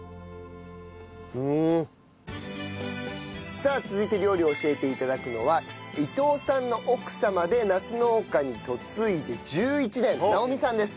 さあ続いて料理を教えて頂くのは伊藤さんの奥様でナス農家に嫁いで１１年直美さんです。